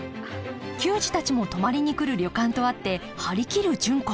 球児たちも泊まりに来る旅館とあって張り切る純子。